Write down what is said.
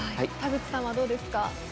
田口さんはどうですか。